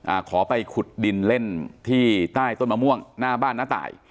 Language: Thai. อ่าขอไปขุดดินเล่นที่ใต้ต้นมะม่วงหน้าบ้านน้าตาย